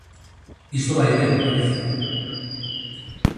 Isto vai ben, paréceme.